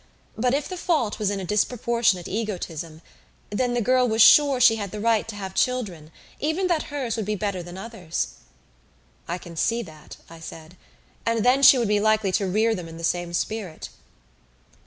But if the fault was in a disproportionate egotism then the girl was sure she had the right to have children, even that hers would be better than others." "I can see that," I said. "And then she would be likely to rear them in the same spirit."